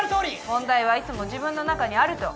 問題はいつも自分の中にあると。